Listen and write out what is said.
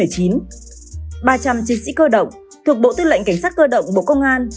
ba trăm linh chiến sĩ cơ động thuộc bộ tư lệnh cảnh sát cơ động bộ công an